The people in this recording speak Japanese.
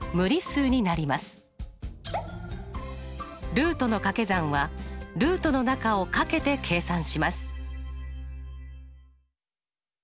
ルートの掛け算はルートの中を掛けて計算します。